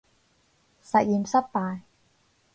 實驗失敗